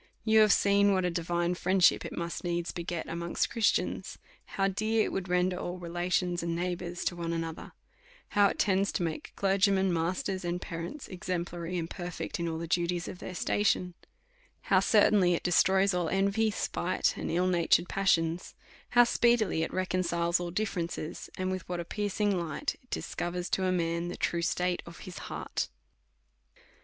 You have seen what a divine friendship it must needs beget amongst Christians ; how dear it would render all relations and neighbours to one another; how it tends to make clergymen^ masters, and parents exemplary and perfect in all the duties of their station ; how certainly it destroys all envy, spite, and ill natured passions ; how speedily it reconciles all ditferences ; and with what a piercing light it discovers to a man the true state of his heart.